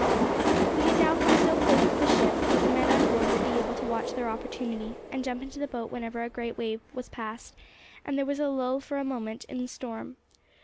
We had now come so close to the ship that the men on board would be able to watch their opportunity, and jump into the boat whenever a great wave was past, and there was a lull for a moment in the storm.